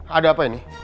ada apa ini